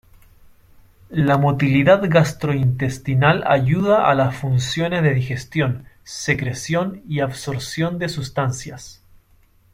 La motilidad gastrointestinal ayuda a las funciones de digestión, secreción y absorción de sustancias.